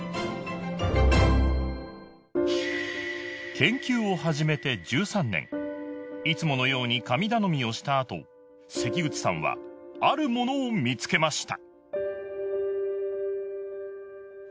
研究を始めて１３年いつものように神頼みをしたあと関口さんはあるものを見つけました